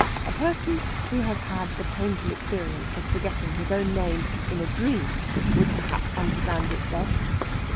A person who has had the painful experience of forgetting his own name in a dream would perhaps understand it best.